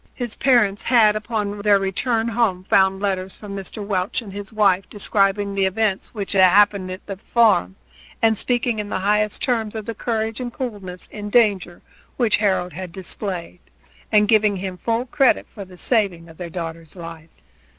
His parents had upon their return home found letters from Mr. Welch and his wife describing the events which had happened at the farm, speaking in the highest terms of the courage and coolness in danger which Harold had displayed, and giving him full credit for the saving of their daughter's life.